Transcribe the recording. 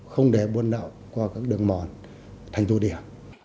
không để buôn đậu qua các đường mòn thành thủ điểm